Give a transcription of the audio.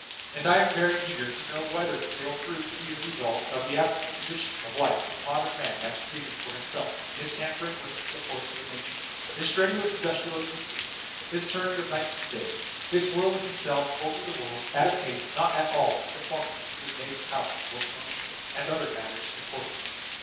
And I am very eager to know whether they will prove to be the result of the abnormal conditions of life which Modem Man has created for himself in his tampering with the forces of nature, — his strenuous industrial existence, his turning of night into day, his whirling himself over the world at a pace not at all in conformity with his native powers of locomotion, and other matters in accordance.